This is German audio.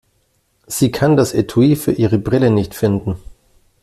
Sie kann das Etui für ihre Brille nicht finden.